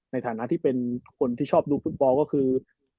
ในฐานะที่เป็นคนที่ชอบดูฟุตบอลก็คือ